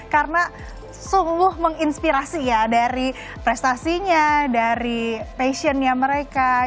karena sungguh menginspirasi ya dari prestasinya dari passion nya mereka